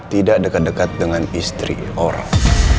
tidak dekat dekat dengan istri orang